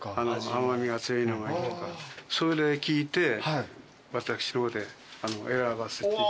甘味が強いのがいいとかそれで聞いて私の方で選ばせて。